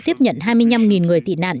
tiếp nhận hai mươi năm người tị nạn